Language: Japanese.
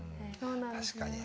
確かに。